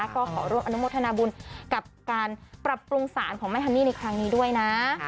ก็ขอร่วมอนุโมทนาบุญกับการปรับปรุงสารของแม่ฮันนี่ในครั้งนี้ด้วยนะ